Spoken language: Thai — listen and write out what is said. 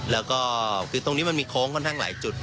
แล้วก็คือตรงนี้มันมีโค้งค่อนข้างหลายจุด